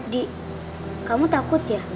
di kamu takut ya